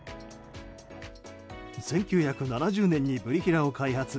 １９７０年にブリヒラを開発。